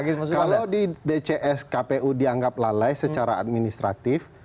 kalau di dcs kpu dianggap lalai secara administratif